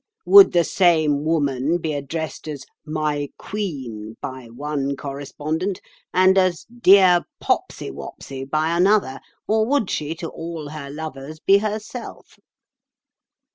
Would the same woman be addressed as 'My Queen!' by one correspondent, and as 'Dear Popsy Wopsy!' by another, or would she to all her lovers be herself?"